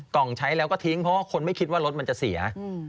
ใช้แล้วก็ทิ้งเพราะว่าคนไม่คิดว่ารถมันจะเสีย